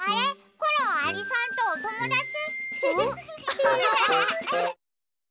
コロンアリさんとおともだち？